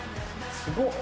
すごっ。